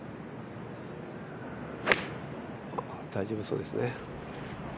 大丈夫そうですね。